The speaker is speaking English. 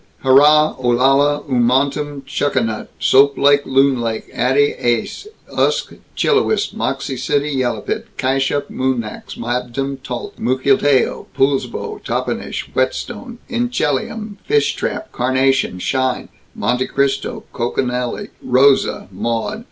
Harrah, Olalla, Umtanum, Chuckanut, Soap Lake, Loon Lake, Addy, Ace, Usk, Chillowist, Moxee City, Yellepit, Cashup, Moonax, Mabton, Tolt, Mukilteo, Poulsbo, Toppenish, Whetstone, Inchelium, Fishtrap, Carnation, Shine, Monte Cristo, Conconully, Roza, Maud!